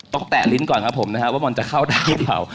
ต้องแตะลิ้นก่อนครับผมนะครับว่ามันจะเข้าทางเผ่า